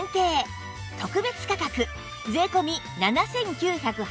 特別価格税込７９８０円